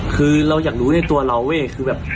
คือเราอยากรู้ในตัวเรา